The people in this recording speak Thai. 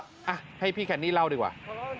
อ่ะให้พี่แคนนี่เล่าดีกว่า